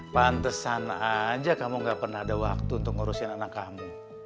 pantesan aja kamu gak pernah ada waktu untuk ngurusin anak kamu